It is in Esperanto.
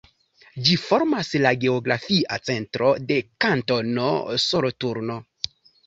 Ĝi formas la geografia centro de Kantono Soloturno.